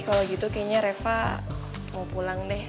kalau gitu kayaknya reva mau pulang deh